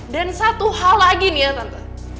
dan satu hal lagi nih ya tante